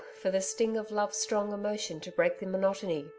for the sting of love's strong emotion to break the monotony.